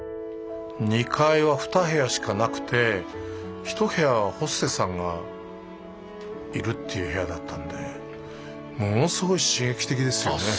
２階は２部屋しかなくて１部屋はホステスさんがいるっていう部屋だったんでものすごい刺激的ですよね。